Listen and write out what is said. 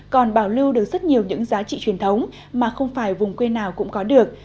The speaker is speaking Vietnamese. còn bảo lưu được rất nhiều những giá trị truyền thống mà không phải vùng quê nào cũng có được